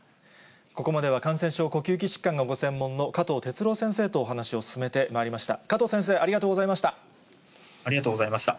ここまでは、感染症呼吸器疾患がご専門の加藤哲朗先生とお話を進めてまいりました。